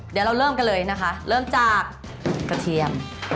เดี๋ยวเราเริ่มกันเลยนะคะเริ่มจากกระเทียม